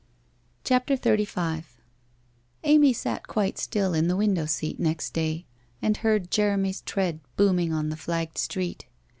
CHAPTER XXXV Amy sat quite still in the window seat next day, and heard Jeremy's tread booming on the flagged street.